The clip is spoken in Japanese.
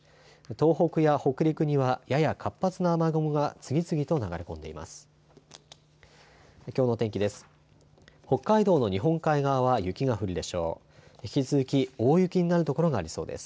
東北や北陸にはやや活発な雨雲が次々と流れ込んでいます。